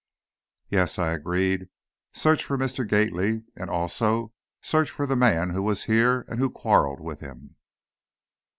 "Yes," I agreed, "search for Mr. Gately and also, search for the man who was here and who quarreled with him."